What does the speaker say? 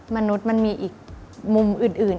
มนุษย์มันมีอีกมุมอื่น